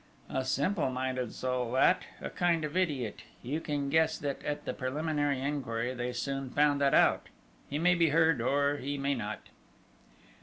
"A simple minded soul, that! a kind of idiot! You can guess that, at the preliminary inquiry, they soon found that out!... He may be heard or he may not?"